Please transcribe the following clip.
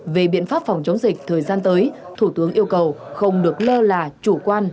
về biện pháp phòng chống dịch thời gian tới thủ tướng yêu cầu không được lơ là chủ quan